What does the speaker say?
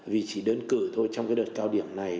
vì chỉ đơn cử thôi trong cái đợt cao điểm này